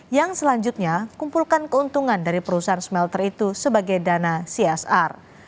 yang selanjutnya kumpulkan keuntungan dari perusahaan smelter itu sebagai dana csr